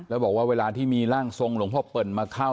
แล้วบอกว่าเวลาที่มีร่างทรงหลวงพ่อเปิ่นมาเข้า